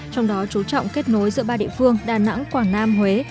trong đó chú trọng kết nối giữa ba địa phương đà nẵng quảng nam huế